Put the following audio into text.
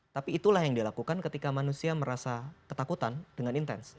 tapi itulah yang dilakukan ketika manusia merasa ketakutan dengan intens